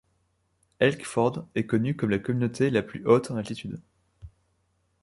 Elkford est connu comme la communauté la plus haute en altitude.